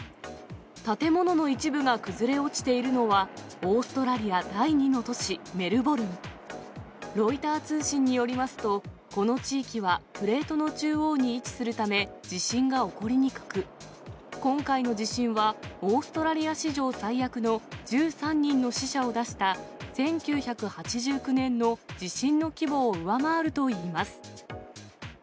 建物の一部が崩れ落ちているのは、オーストラリア第２の都市メルボルン。ロイター通信によりますと、この地域はプレートの中央に位置するため、地震が起こりにくく、今回の地震は、オーストラリア史上最悪の１３人の死者を出した１９８９年の地震の規模を上回るといいます。